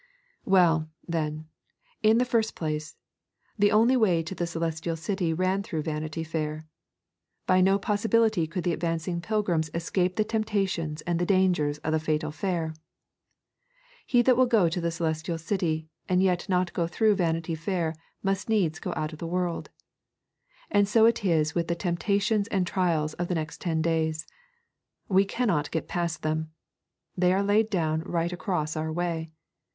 Well, then, in the first place, the only way to the Celestial City ran through Vanity Fair; by no possibility could the advancing pilgrims escape the temptations and the dangers of the fatal fair. He that will go to the Celestial City and yet not go through Vanity Fair must needs go out of the world. And so it is with the temptations and trials of the next ten days. We cannot get past them. They are laid down right across our way.